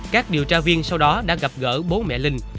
các điều tra viên sau đó đã gặp gỡ bố mẹ linh